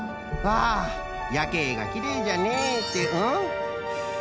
ああやけいがきれいじゃねってうん？